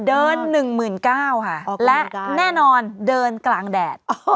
๑๙๐๐ค่ะและแน่นอนเดินกลางแดด